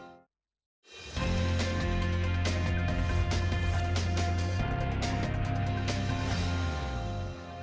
tapi itu memang juga adalah hal yang harus diperhatikan